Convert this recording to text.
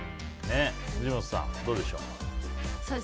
藤本さん、どうでしょう？